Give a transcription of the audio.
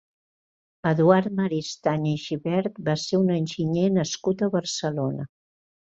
Eduard Maristany i Gibert va ser un enginyer nascut a Barcelona.